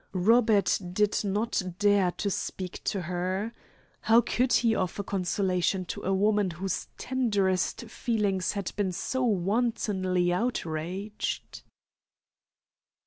Robert did not dare to speak to her. How could he offer consolation to a woman whose tenderest feelings had been so wantonly outraged?